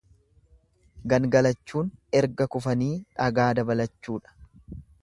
gangalachuun Erga kufanii dhagaa dabalachuudha.